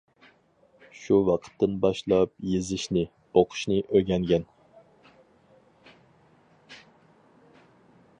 شۇ ۋاقىتتىن باشلاپ يېزىشنى، ئوقۇشنى ئۆگەنگەن.